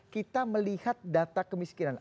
kita melihat data kemiskinan